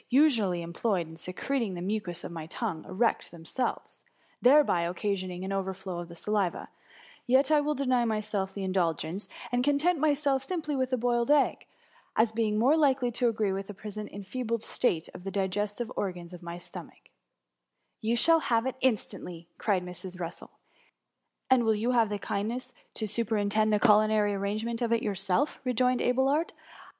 usually employed in secreting the mucus of my tongue, erect themselves, thereby occasioning an overflow of the saliva, yet will I deny myself the indulgence, and content myself simply with a boiled egg, as being more Ukely to agiee with the present enfeebled state of the digestive organs of my stomach/^ ^* You shall have it instantly,^ cried Mrs. Russel. '* And will you have the kindness to super intend the culinary arrangement of it yourself?^ rejoined Abelard.